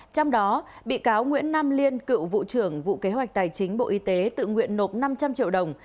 trong đó bị cáo nguyễn nam liên cựu vụ trưởng vụ kế hoạch tài chính bộ y tế tự nguyện nộp năm trăm linh triệu đồng